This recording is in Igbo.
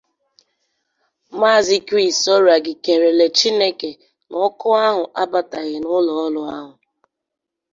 Maazị Chris Oragi kèlèrè Chineke na ọkụ ahụ abàtàghị n'ụlọọrụ ahụ